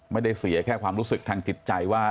ไม่ได้เสียแค่ความรู้สึกทางจิตใจว่า